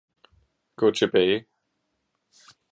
gå tilbage